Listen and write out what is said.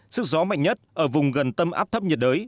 sức gió mạnh nhất ở vùng gần tâm áp thấp nhiệt đới